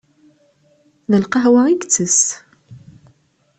D lqahwa i itess.